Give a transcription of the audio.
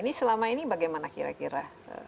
ini selama ini bagaimana kira kira